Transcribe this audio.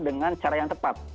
dengan cara yang tepat